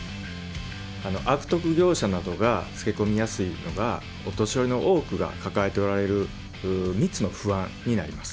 悪徳業者などがつけこみやすいのが、お年寄りの多くが抱えておられる３つの不安になります。